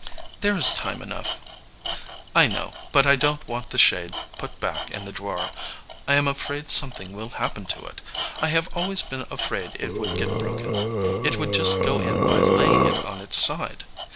"There is time enough." "I know, but I don t want the shade put back in the drawer. I am afraid something will happen to it; I have always been afraid it would get broken. It would just go in by laying it on its side.